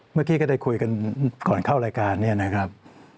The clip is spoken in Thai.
เมื่อกี้ก็ได้คุยกันก่อนเข้ารายการเนี่ยนะครับ